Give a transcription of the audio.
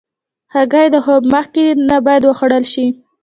هګۍ د خوب مخکې نه باید وخوړل شي.